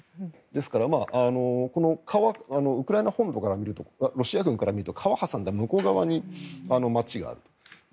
ですからウクライナ本土から見るとロシア軍から見ると川を挟んだ向こう側に街があると。